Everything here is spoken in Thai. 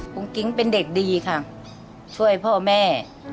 กุ้งกิ้งเป็นเด็กดีค่ะช่วยพ่อแม่บ้าค่ะ